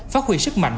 phát huy sức mạnh